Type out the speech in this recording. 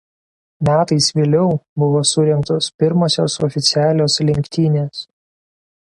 Metais vėliau buvo surengtos pirmosios oficialios lenktynės.